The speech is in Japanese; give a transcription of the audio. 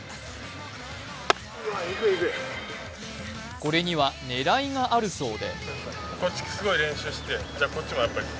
これには狙いがあるそうで。